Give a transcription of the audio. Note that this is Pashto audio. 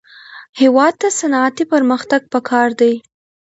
هېواد ته صنعتي پرمختګ پکار دی